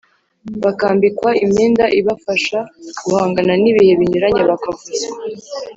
bakambikwa imyenda ibafasha guhangana n'ibihe binyuranye, bakavuzwa